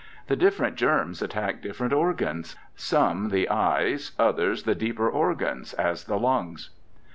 The different germs attack different organs ; some the eyes, others the deeper organs, as the lungs.